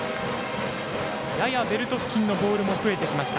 ややベルト付近のボールも増えてきました